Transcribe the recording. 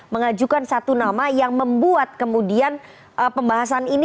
mengajukan satu nama yang membuat kemudian pembahasan ini